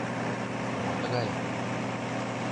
Мо тыгае?